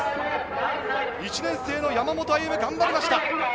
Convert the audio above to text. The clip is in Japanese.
１年生の山本歩夢、頑張りました。